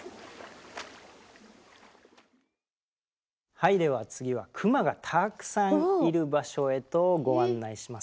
はいでは次はクマがたくさんいる場所へとご案内します。